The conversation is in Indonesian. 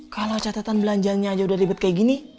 kalau catatan belanjaannya aja udahideng kay ko gini